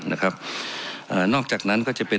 นะครับอ่านอกจากนั้นก็จะเป็น